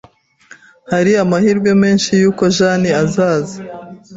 Hari amahirwe menshi yuko Jane azaza.